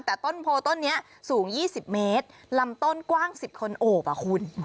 แต่ต้นโพต้นนี้สูง๒๐เมตรลำต้นกว้าง๑๐คนโอบอ่ะคุณ